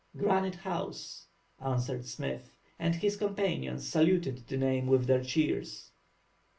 "Granite House," answered Smith; and his companions saluted the name with their cheers.